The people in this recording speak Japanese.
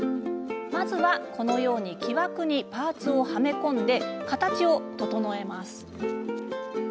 まずは、このように木枠にパーツをはめ込んで形を整えます。